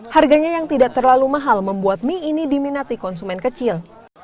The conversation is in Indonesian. harganya yang tidak terlalu mahal membuat mie ini diminati konsumen kecil